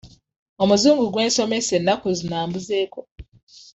Omuzungu gwe nsomesa ennaku zino ambuzeeko.